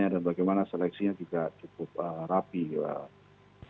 dan bagaimana seleksinya juga cukup rapih